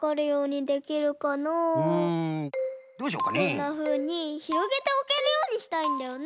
こんなふうにひろげておけるようにしたいんだよね。